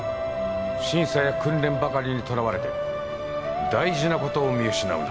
審査や訓練ばかりにとらわれて大事なことを見失うな。